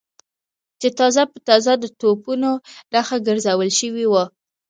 چې تازه په تازه د توپونو نښه ګرځول شوي و.